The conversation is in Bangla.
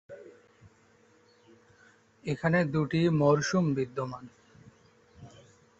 এখানে দুটি মরসুম বিদ্যমান।